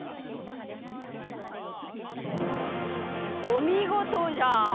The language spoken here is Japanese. おみごとじゃ！